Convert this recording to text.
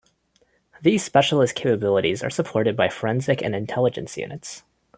These specialist capabilities are supported by forensic and intelligence units.